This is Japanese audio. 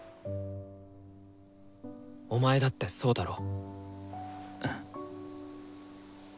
お前だってそうだろ？